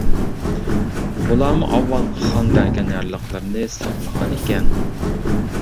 بۇلارمۇ ئاۋۋالقى خان بەرگەن يارلىقلىرىنى ساقلىغانىكەن.